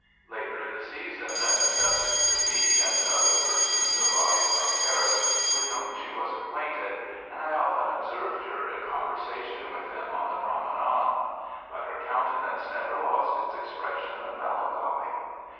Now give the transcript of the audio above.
Later in the season, the Duchesse de B., and other persons, arrived from Paris, with whom she was acquainted, and I often observed her in conversation with them on the promenade; but her countenance never lost its expression of melancholy.